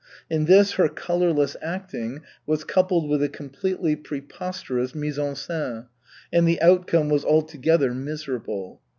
_ In this her colorless acting was coupled with a completely preposterous mise en scène, and the outcome was altogether miserable.